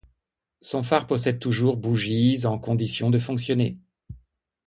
Son phare possède toujours bougies en conditions de fonctionner.